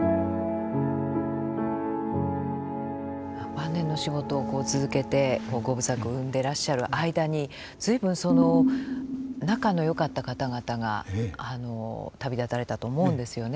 晩年の仕事を続けて５部作生んでらっしゃる間に随分仲のよかった方々が旅立たれたと思うんですよね。